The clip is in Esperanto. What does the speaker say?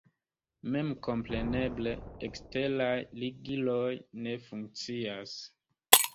Memkompreneble, eksteraj ligiloj ne funkcias.